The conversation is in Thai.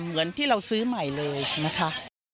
เหมือนที่เราซื้อใหม่เลยนะคะ